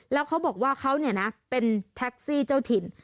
แล้วเขาบอกว่าเขาเป็นแท็กซี่เจ้าถิ่น